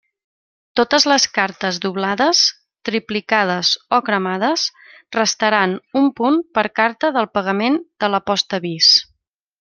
Totes les cartes doblades, triplicades o cremades restaran un punt per carta del pagament de l'aposta vis.